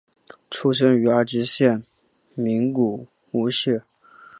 出生于爱知县名古屋市。